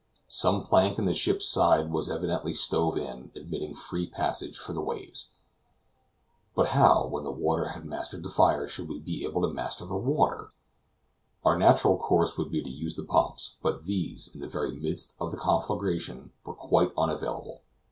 Some plank in the ship's side was evidently stove in, admitting free passage for the waves. But how, when the water had mastered the fire, should we be able to master the water? Our natural course would be to use the pumps, but these, in the very midst of the conflagration, were quite unavailable.